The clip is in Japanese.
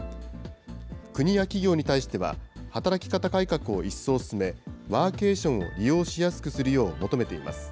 国や企業に対しては、働き方改革を一層進め、ワーケーションを利用しやすくするよう求めています。